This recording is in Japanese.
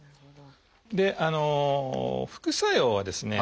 であの副作用はですね